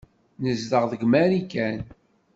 Nezdeɣ deg Marikan.